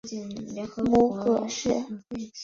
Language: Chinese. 母葛氏。